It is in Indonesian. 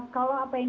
kalau apa yang